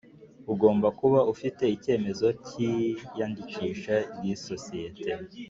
Ugomba kuba ufite icyemezo cy’ iyandikisha ry isosiyete